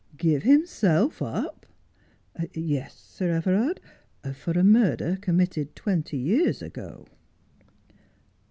' Give himself up 1 '' Yes, Sir Everard, for a murder committed twenty years ago.